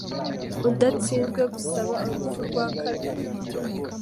udatsinzwe gusaba urupfu rwa kabiri